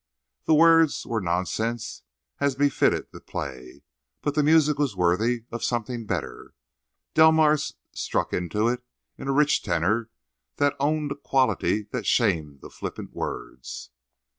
The words were nonsense, as befitted the play, but the music was worthy of something better. Delmars struck into it in a rich tenor that owned a quality that shamed the flippant words.